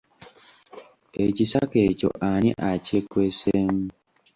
Ekisaka ekyo ani akyekweseemu?